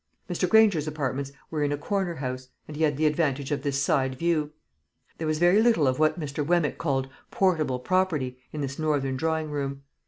Mr. Granger's apartments were in a corner house, and he had the advantage of this side view. There was very little of what Mr. Wemmick called "portable property" in this northern drawing room.